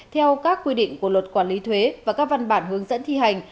theo các quy định của luật quản lý thuế và các văn bản hướng dẫn thi hành